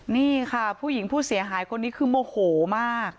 นี่ค่ะผู้หญิงผู้เสียหายคนนี้คือโมโหมาก